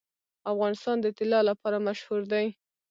افغانستان د طلا لپاره مشهور دی.